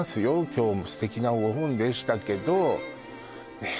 今日も素敵なご本でしたけどねえ